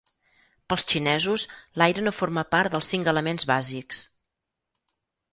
Pels xinesos l'aire no forma part dels cinc elements bàsics.